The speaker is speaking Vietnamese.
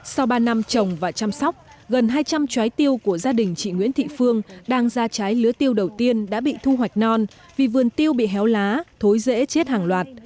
sau ba năm trồng và chăm sóc gần hai trăm linh trái tiêu của gia đình chị nguyễn thị phương đang ra trái lứa tiêu đầu tiên đã bị thu hoạch non vì vườn tiêu bị héo lá thối dễ chết hàng loạt